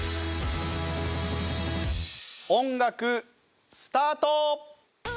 音楽スタート！